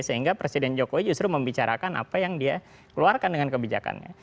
sehingga presiden jokowi justru membicarakan apa yang dia keluarkan dengan kebijakannya